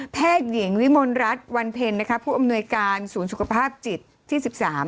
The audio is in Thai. แพทย์หญิงวิมลรัฐวันเพ็ญนะคะผู้อำนวยการศูนย์สุขภาพจิตที่๑๓